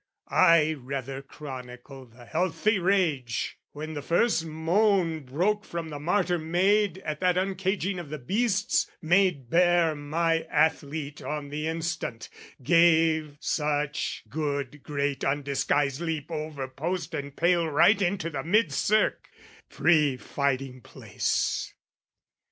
I rather chronicle the healthy rage, When the first moan broke from the martyr maid At that uncaging of the beasts, made bare My athlete on the instant, gave such good Great undisguised leap over post and pale Right into the mid cirque, free fighting place.